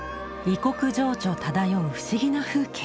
異国情緒漂う不思議な風景。